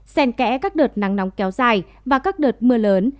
xen kẽ các đợt nắng nóng kéo dài và các đợt mưa lớn